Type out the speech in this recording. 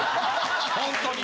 ホントに。